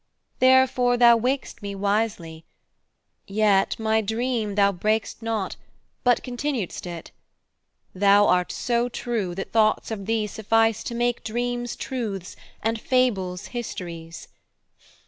Therefore thou waked'st me wisely; yetMy dream thou brak'st not, but continued'st it:Thou art so true that thoughts of thee sufficeTo make dreams truths and fables histories.